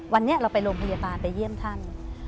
วันนี้เราไปโรงพยาบาลไปเยี่ยมท่าน